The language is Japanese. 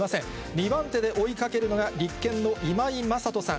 ２番手で追いかけるのが、立憲の今井雅人さん。